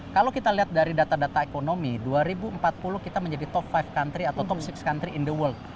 kalau kita lihat dari data data ekonomi dua ribu empat puluh kita menjadi top lima country atau toxic country in the world